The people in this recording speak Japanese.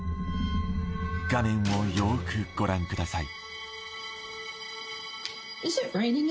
画面をよくご覧ください